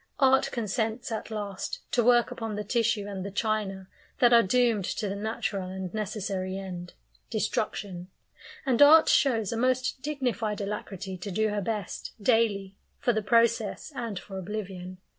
Art consents at last to work upon the tissue and the china that are doomed to the natural and necessary end destruction; and art shows a most dignified alacrity to do her best, daily, for the "process," and for oblivion.